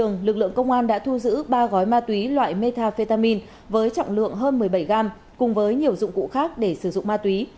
giang đã thu giữ ba gói ma túy loại metafetamin với trọng lượng hơn một mươi bảy gram cùng với nhiều dụng cụ khác để sử dụng ma túy